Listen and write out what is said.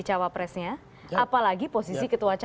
cowok presidennya apalagi posisi